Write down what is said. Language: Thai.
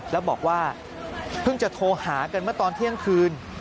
แล้วบอกว่าเพิ่งจะโทรหากันเมื่อตอนเที่ยงคืน